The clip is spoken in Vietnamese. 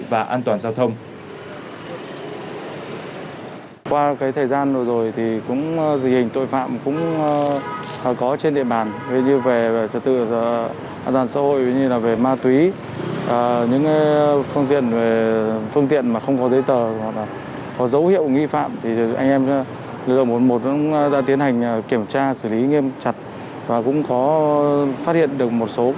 và an toàn giao thông